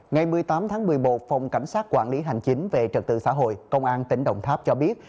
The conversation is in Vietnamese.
ngày một mươi tám tháng một mươi một phòng cảnh sát quản lý hành chính về trật tự xã hội công an tỉnh đồng tháp cho biết